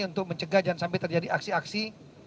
untuk mencegah jangan sampai terjadi aksi aksi